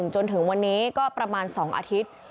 จนถึงวันนี้ก็ประมาณ๒อาทิตย์